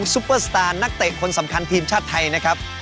ซุปเปอร์สตาร์นักเตะคนสำคัญทีมชาติไทยนะครับ